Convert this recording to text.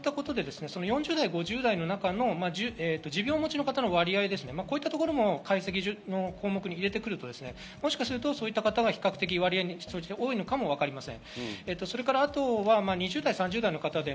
そういったことで４０代、５０代の方の持病をお持ちの方の割合ですね、こういった所も解析項目に入れてくると、もしかするとそういった方が比較的割合として多いかもしれません。